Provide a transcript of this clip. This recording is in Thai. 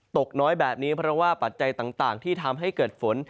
ตกน้อยแบบนี้เพราะว่าปัจจัยต่างที่ทำให้เกิดฝน